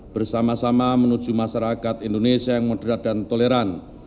bersama sama menuju masyarakat indonesia yang moderat dan toleran